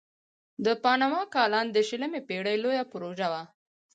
د پاناما کانال د شلمې پیړۍ لویه پروژه وه.